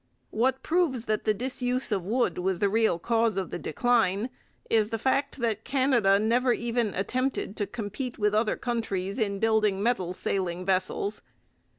What proves that the disuse of wood was the real cause of the decline is the fact that Canada never even attempted to compete with other countries in building metal sailing vessels.